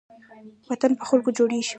وطن په خلکو جوړېږي